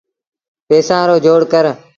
پئيٚسآݩ رو جوڙ ڪر۔